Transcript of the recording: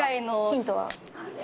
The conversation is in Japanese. ヒントは。